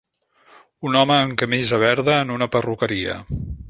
Un home amb camisa verda en una perruqueria.